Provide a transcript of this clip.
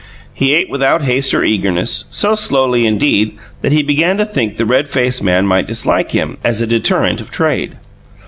He ate without haste or eagerness so slowly, indeed, that he began to think the redfaced man might dislike him, as a deterrent of trade.